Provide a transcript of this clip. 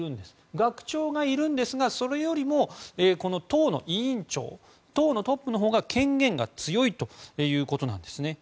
学長がいるんですがそれよりも党の委員長党のトップのほうが権限が強いということなんです。